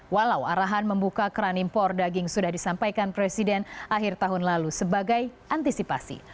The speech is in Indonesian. walau arahan membuka keran impor daging sudah disampaikan presiden akhir tahun lalu sebagai antisipasi